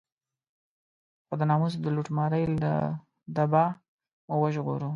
خو د ناموس د لوټمارۍ له دبا مو وژغوره.